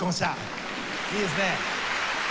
いいですね。